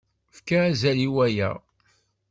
Tefka azal i waya.